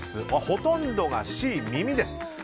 ほとんどがＣ、耳です。